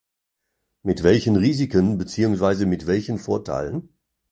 Mit welchen Risiken beziehungsweise mit welchen Vorteilen?